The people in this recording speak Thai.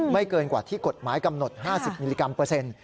เกินกว่าที่กฎหมายกำหนด๕๐มิลลิกรัมเปอร์เซ็นต์